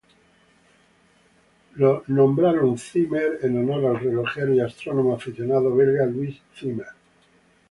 Fue nombrado Zimmer en honor al relojero y astrónomo aficionado belga Louis Zimmer.